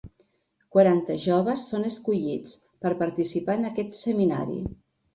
Quaranta joves són escollits per participar en aquest seminari.